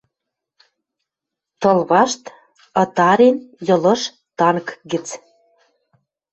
Тыл вашт ытарен йылыш танк гӹц